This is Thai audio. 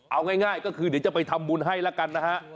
เอาง่ายก็คือเดี๋ยวจะไปทำบุญให้แล้วกันนะฮะ